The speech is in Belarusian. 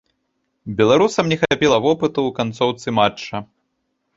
Беларусам не хапіла вопыту ў канцоўцы матча.